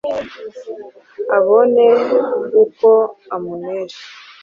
abone uko amunesha